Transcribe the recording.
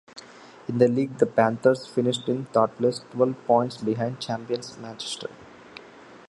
In the league the Panthers finished in third place, twelve points behind champions Manchester.